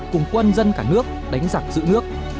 cùng quân dân cả nước